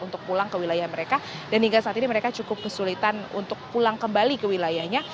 untuk pulang ke wilayah mereka dan hingga saat ini mereka cukup kesulitan untuk pulang kembali ke wilayahnya